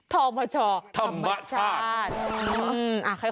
ธรรมชาติ